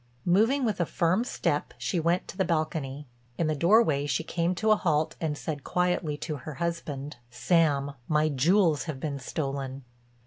Moving with a firm step, she went to the balcony. In the doorway she came to a halt and said quietly to her husband: "Sam, my jewels have been stolen."